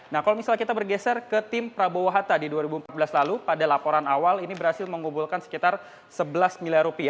nah kalau misalnya kita bergeser ke tim prabowo hatta di dua ribu empat belas lalu pada laporan awal ini berhasil mengumpulkan sekitar rp sebelas miliar